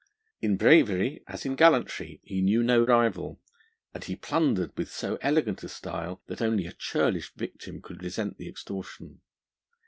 In bravery as in gallantry he knew no rival, and he plundered with so elegant a style, that only a churlish victim could resent the extortion.